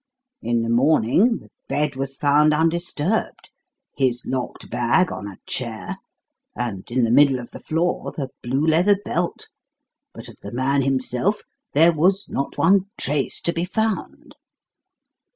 "In the morning the bed was found undisturbed, his locked bag on a chair, and in the middle of the floor the blue leather belt; but of the man himself there was not one trace to be found.